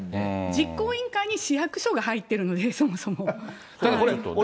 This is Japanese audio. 実行委員会に市役所が入っているので、そもそも。